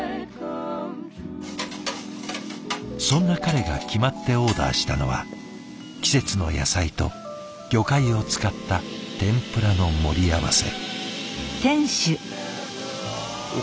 そんな彼が決まってオーダーしたのは季節の野菜と魚介を使った天ぷらの盛り合わせ。